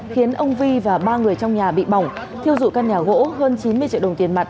khiến ông vi và ba người trong nhà bị bỏng thiêu dụi căn nhà gỗ hơn chín mươi triệu đồng tiền mặt